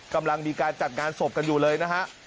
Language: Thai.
กำลังมีการจัดงานศพกันอยู่เลยนะฮะ